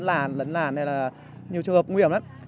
ô tô lật vấn làn lấn làn nhiều trường hợp nguy hiểm lắm